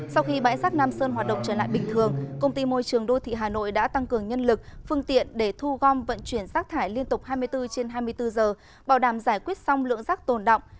sau khi bãi rác nam sơn hoạt động trở lại bình thường công ty môi trường đô thị hà nội đã tăng cường nhân lực phương tiện để thu gom vận chuyển rác thải liên tục hai mươi bốn trên hai mươi bốn giờ bảo đảm giải quyết xong lượng rác tồn động